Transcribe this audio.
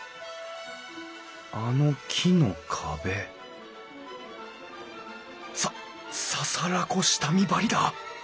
あの木の壁さ簓子下見張りだ！